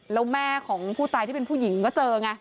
แล้วแม่ของผู้ตายที่เป็นผู้หญิงก็เจอไง